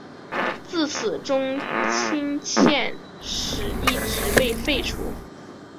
自此中圻钦使一职被废除。